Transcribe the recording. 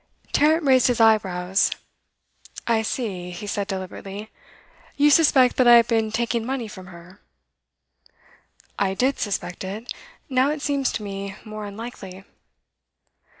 Tarrant raised his eyebrows. 'I see,' he said deliberately. 'You suspect that I have been taking money from her?' 'I did suspect it; now it seems to me more unlikely.